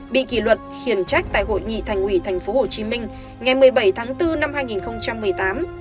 bị kỷ luật khiển trách tại hội nghị thành ủy tp hcm ngày một mươi bảy tháng bốn năm hai nghìn một mươi tám